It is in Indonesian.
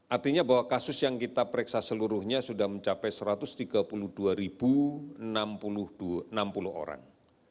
artinya bahwa kasus yang kita pereksa seluruhnya sudah mencapai satu ratus tiga puluh dua enam puluh orang